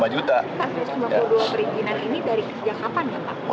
satu ratus lima puluh dua perhijinan ini dari kerja kapan ya pak